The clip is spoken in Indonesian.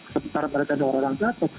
sementara mereka ada warang jatuh